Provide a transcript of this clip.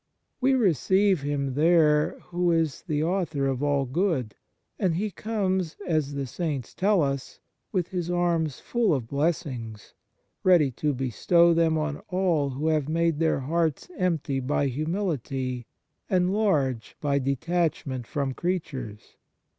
We receive Him there who is the Author of all good; and He comes, as the Saints tell us, with His arms full of blessings, ready to bestow them on all who have made their hearts empty by humility and large by detachment from creatures.